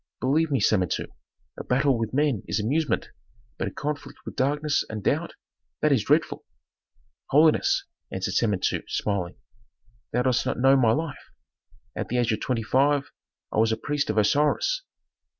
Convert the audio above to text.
Believe me, Samentu, a battle with men is amusement, but a conflict with darkness and doubt that is dreadful." "Holiness," answered Samentu, smiling, "thou dost not know my life. At the age of twenty five I was a priest of Osiris."